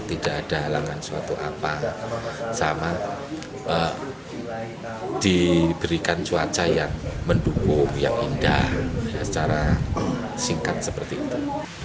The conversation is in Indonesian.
tidak ada halangan suatu apa sama diberikan cuaca yang mendukung yang indah secara singkat seperti itu